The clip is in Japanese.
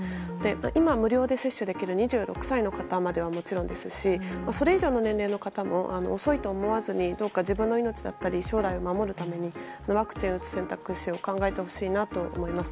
今、無料で接種できる２６歳の方まではもちろんですしそれ以上の年齢の方も遅いと思わずにどうか自分の命だったり将来を守るためにワクチンを打つ選択肢を考えてほしいなと思います。